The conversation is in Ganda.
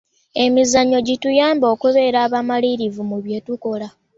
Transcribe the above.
emizannyo gituyambe okubeera abamalirivu mu bye tukola